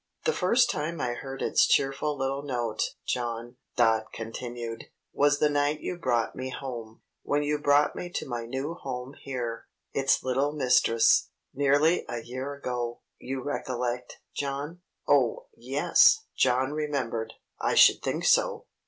"The first time I heard its cheerful little note, John," Dot continued, "was the night you brought me home when you brought me to my new home here; its little mistress. Nearly a year ago. You recollect, John?" Oh, yes. John remembered. I should think so!